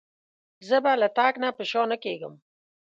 زه به له تګ نه په شا نه کېږم.